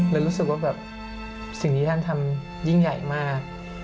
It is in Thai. รู้สึกว่าแบบสิ่งที่ท่านทำยิ่งใหญ่มาก